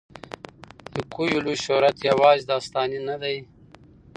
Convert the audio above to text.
د کویلیو شهرت یوازې داستاني نه دی.